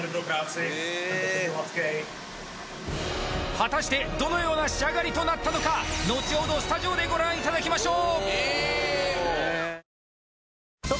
果たしてどのような仕上がりとなったのかのちほどスタジオでご覧いただきましょう！